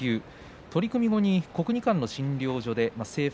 取組後に国技館の診療所で整復。